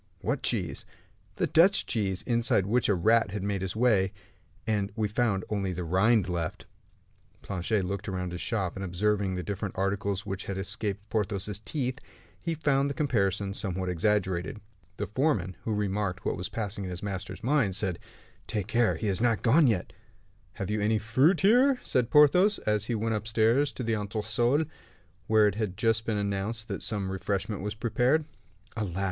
"What cheese?" "The Dutch cheese, inside which a rat had made his way, and we found only the rind left." Planchet looked all round his shop, and observing the different articles which had escaped Porthos's teeth, he found the comparison somewhat exaggerated. The foreman, who remarked what was passing in his master's mind, said, "Take care; he is not gone yet." "Have you any fruit here?" said Porthos, as he went upstairs to the entresol, where it had just been announced that some refreshment was prepared. "Alas!"